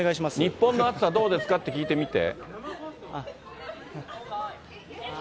日本の暑さどうですかって聞いてみて。